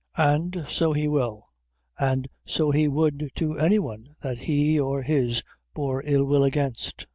"An' so he will; an' so he would to any one that he or his bore ill will against.